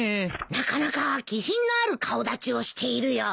なかなか気品のある顔立ちをしているよ。